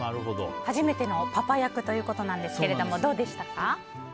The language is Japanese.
初めてのパパ役ですがどうでしたか？